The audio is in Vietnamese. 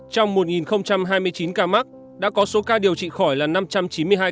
trong một hai mươi chín ca mắc đã có số ca điều trị khỏi là năm trăm chín mươi hai ca